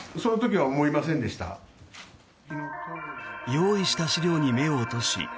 用意した資料に目を落とし